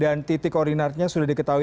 titik koordinatnya sudah diketahui